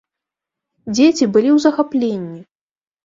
Дзеці былі ў захапленні!